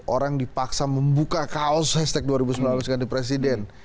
orang dipaksa membuka kaos hashtag dua ribu sembilan belas ganti presiden